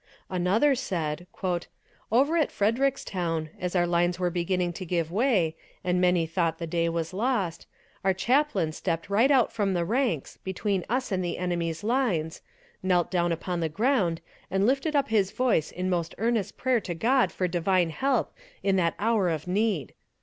Another said: "Over at Frederickstown, as our lines were beginning to give way, and many thought the day was lost, our chaplain stepped right out from the ranks, between us and the enemy's lines, knelt down upon the ground, and lifted up his voice in most earnest prayer to God for divine help in that hour of need.